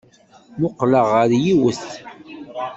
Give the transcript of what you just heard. Mmuqqleɣ ɣer yiwet.